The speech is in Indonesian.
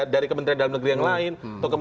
dari kementerian dalam negeri yang lain